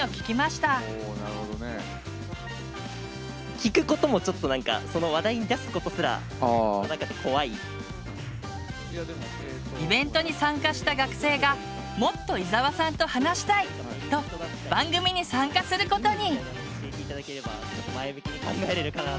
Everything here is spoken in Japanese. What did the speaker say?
聞くこともちょっと何かイベントに参加した学生がもっと伊沢さんと話したい！と番組に参加することに！